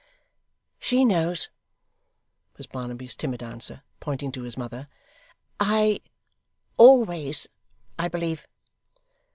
'She knows,' was Barnaby's timid answer, pointing to his mother 'I always, I believe.